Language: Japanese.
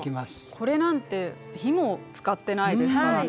これなんて火も使ってないですからね。